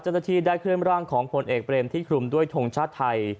เจ้าหน้าที่ได้เคลื่อนร่างของผลเอกเบรมที่คลุมด้วยทงชาติไทย